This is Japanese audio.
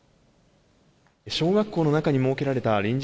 小学校の中に設けられた臨時